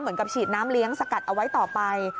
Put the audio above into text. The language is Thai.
ฉีดน้ำเลี้ยงสกัดเอาไว้ต่อไป